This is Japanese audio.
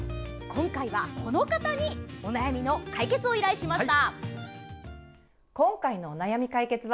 今回はこの方にお悩みの解決を依頼しました！